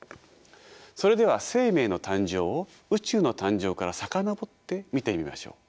それでは生命の誕生を宇宙の誕生から遡って見てみましょう。